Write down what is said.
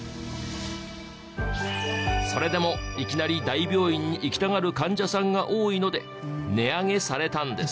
それでもいきなり大病院に行きたがる患者さんが多いので値上げされたんです。